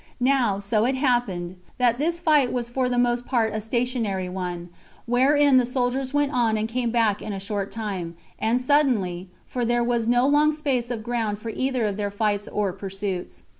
Now, it so happened, that this fight was for the most part a stationary one, wherein the soldiers went on and came back in a short time, and suddenly; for there was no long space of ground for either of their flights or pursuits.